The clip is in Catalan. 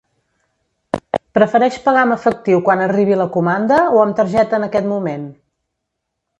Prefereix pagar amb efectiu quan arribi la comanda o amb targeta en aquest moment?